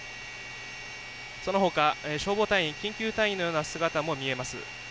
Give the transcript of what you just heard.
そのほか消防隊員、救急隊員のような姿も見えます。